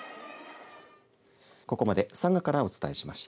ここまで佐賀からお伝えしました。